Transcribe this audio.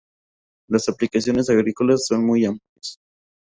Las aplicaciones agrícolas son muy amplias.